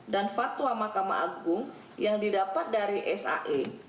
dan fatwa mahkamah agung yang didapat dari sae